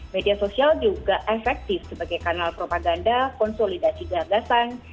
media sosial juga efektif sebagai kanal propaganda konsolidasi gagasan